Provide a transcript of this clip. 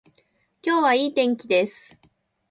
今日はいい天気です